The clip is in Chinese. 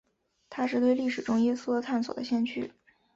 他是对历史中耶稣的探索的先驱。